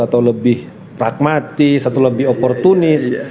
atau lebih pragmatis atau lebih oportunis